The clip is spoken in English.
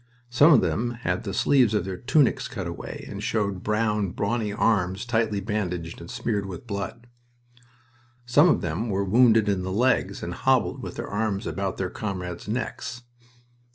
Some of them had the sleeves of their tunics cut away and showed brown, brawny arms tightly bandaged and smeared with blood. Some of them were wounded in the legs and hobbled with their arms about their comrades' necks.